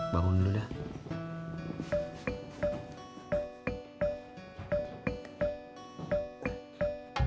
bangun dulu leh